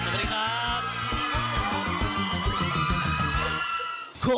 สวัสดีครับ